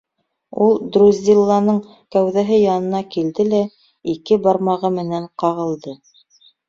Ул Друзилланың кәүҙәһе янына килде лә, ике бармағы менән ҡағылды.